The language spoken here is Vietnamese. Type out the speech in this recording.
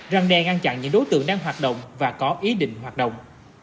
răng đe ngăn chặn những đối tượng đang hoạt động và có ý định hoạt động